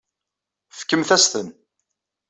Fkemt-as-ten.